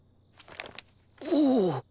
おお！